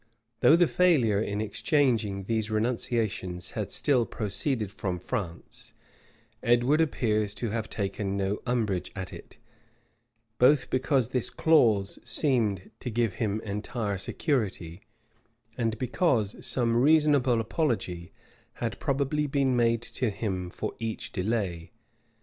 [] Though the failure in exchanging these renunciations had still proceeded from France,[] Edward appears to have taken no umbrage at it; both because this clause seemed to give him entire security, and because some reasonable apology had probably been made to him for each delay.